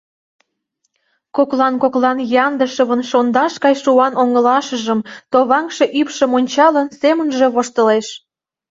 Коклан-коклан Яндышевын шондаш гай шуан оҥылашыжым, товаҥше ӱпшым ончалын, семынже воштылеш.